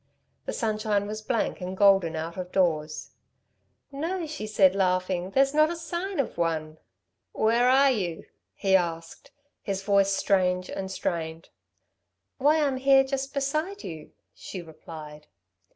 The sunshine was blank and golden out of doors. "No," she had said, laughing. "There's not a sign of one." "Where are you?" he asked, his voice strange and strained. "Why, I'm here just beside you," she replied.